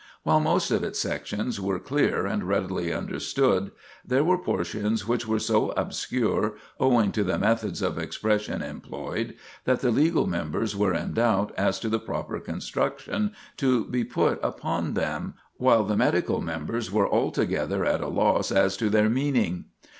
While most of its sections were clear and readily understood, there were portions which were so obscure, owing to the methods of expression employed, that the legal members were in doubt as to the proper construction to be put upon them, while the medical members were altogether at a loss as to their meaning.